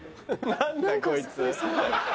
何だこいつ。